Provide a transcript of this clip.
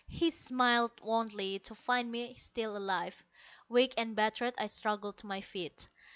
He smiled wanly to find me still alive. Weak and battered, I struggled to my feet.